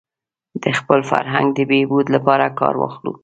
د خپل فرهنګ د بهبود لپاره کار واخلو.